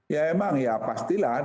ya emang ya pastilah